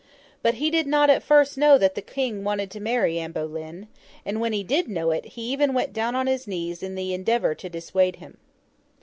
But, he did not at first know that the King wanted to marry Anne Boleyn; and when he did know it, he even went down on his knees, in the endeavour to dissuade him.